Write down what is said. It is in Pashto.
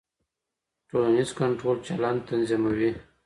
ټولنيز کنټرول چلند تنظيموي.